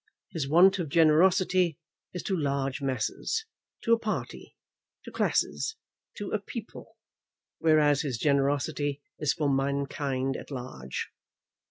His want of generosity is to large masses, to a party, to classes, to a people; whereas his generosity is for mankind at large.